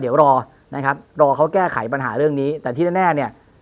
เดี๋ยวรอนะครับรอเขาแก้ไขปัญหาเรื่องนี้แต่ที่แน่เนี่ย